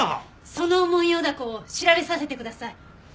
そのモンヨウダコを調べさせてください。